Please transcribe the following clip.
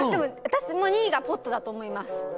私も２位がポットだと思います。